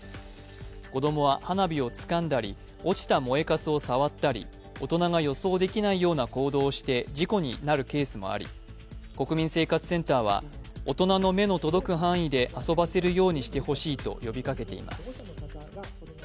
子供は花火をつかんだり、落ちた燃えかすを触ったり大人が予想できないような行動をして事故になるケースもあり、国民生活センターは大人の目の届く範囲で遊ばせるようにしてほしいと呼びかけています。